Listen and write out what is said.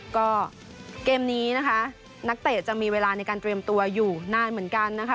ก็เกมนี้นะคะนักเตะจะมีเวลาในการเตรียมตัวอยู่นานเหมือนกันนะคะ